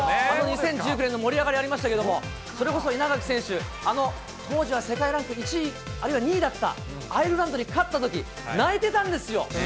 あの２０１９年の盛り上がりありましたけど、それこそ稲垣選手、あの当時は世界ランク１位、あるいは２位だったアイルランドに勝ったとき、泣いてたんですよ。